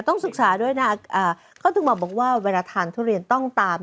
ต้องศึกษาด้วยนะเขาถึงบอกว่าเวลาทานทุเรียนต้องตาม